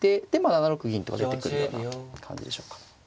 ７六銀とか出てくるような感じでしょうか。